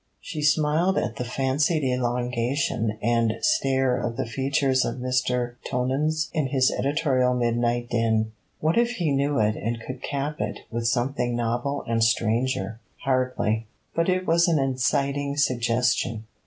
She smiled at the fancied elongation and stare of the features of Mr. Tonans in his editorial midnight den. What if he knew it and could cap it with something novel and stranger? Hardly. But it was an inciting suggestion.